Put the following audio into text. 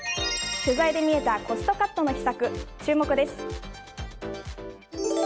取材で見えたコストカットの秘策、注目です。